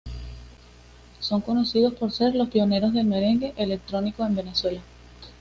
Son conocidos por ser los pioneros del Merengue Electrónico en Venezuela.